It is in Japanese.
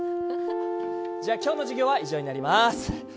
じゃあ、今日の授業は以上になります。